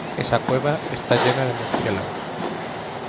Esa cueva está llena de murciélagos.